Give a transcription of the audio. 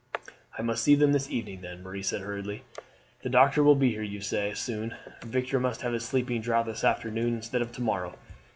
"I must see them this evening, then," Marie said hurriedly. "The doctor will be here, you say, soon. Victor must have his sleeping draught this afternoon instead of to morrow.